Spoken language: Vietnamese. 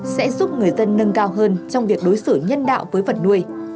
sẽ giúp người dân nâng cao hơn trong việc đối xử nhân đạo với vật nuôi